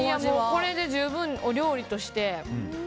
これで十分お料理として。